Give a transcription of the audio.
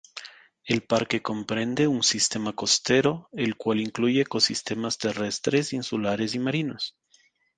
El parque comprende un sistema costero el cual incluye ecosistemas terrestres, insulares y marinos.